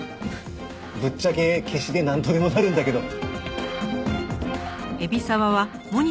ぶっちゃけ消しでなんとでもなるんだけど。